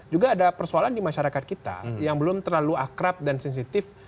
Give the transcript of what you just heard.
juga ada persoalan di masyarakat kita yang belum terlalu akrab dan sensitif